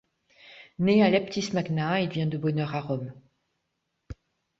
Né à Leptis Magna, il vient de bonne heure à Rome.